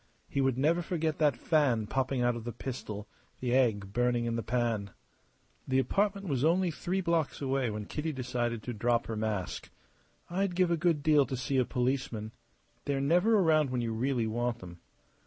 He would never forget that fan popping out of the pistol, the egg burning in the pan. The apartment was only three blocks away when Kitty decided to drop her mask. "I'd give a good deal to see a policeman. They are never around when you really want them.